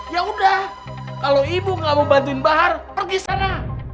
ya udah kalau ibu nggak mau bantuin bahar pergi sana